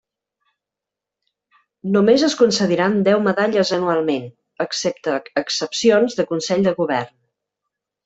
Només es concediran deu medalles anualment, excepte excepcions de Consell de Govern.